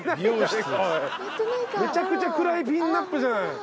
めちゃくちゃ暗いＰＩＮＵＰじゃない。